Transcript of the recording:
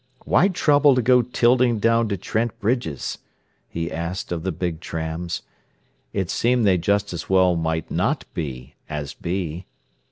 "Why trouble to go tilting down to Trent Bridges?" he asked of the big trams. It seemed they just as well might not be as be.